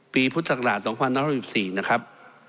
ปีพุทธศักราช๒๑๖๔นะครับ